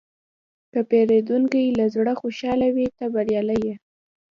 که پیرودونکی له زړه خوشحاله وي، ته بریالی یې.